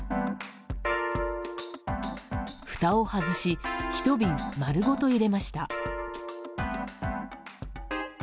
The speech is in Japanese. ふたを外し１瓶丸ごと入れました。